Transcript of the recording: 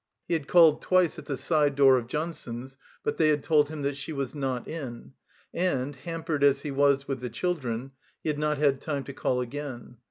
He had called twice at the side door of Johnson's, but they had told him that she was not in; and, hampered as he was with the children, he had not had time to call again.